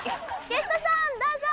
ゲストさんどうぞ！